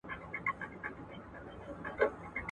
تاسو اشرف المخلوقات یاست.